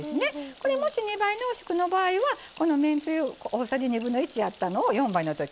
これもし２倍濃縮の場合はこのめんつゆ大さじ1/2やったのを４倍のとき。